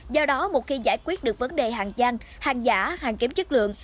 do đó một khi giải quyết được vấn đề hàng giang hàng giả hàng kém chất lượng